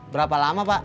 berapa lama pak